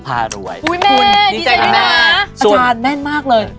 อาจารย์แม่นมากเลย